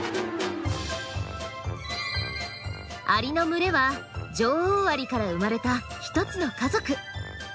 アリの群れは女王アリから生まれたひとつの家族。